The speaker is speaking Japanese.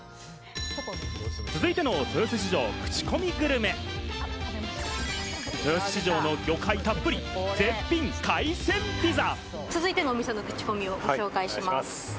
続いての豊洲市場クチコミグルメ、豊洲市場の魚介たっぷり絶品海鮮ピザ。